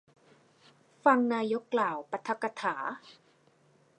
ฟังนายกกล่าวปาฐกถา